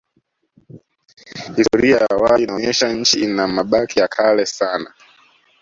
Historia ya awali inaonyesha Nchi ina mabaki ya kale sana